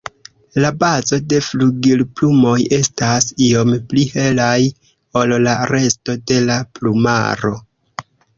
La bazo de flugilplumoj estas iom pli helaj ol la resto de la plumaro.